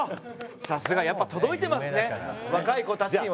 さすがやっぱ届いてますね若い子たちにも。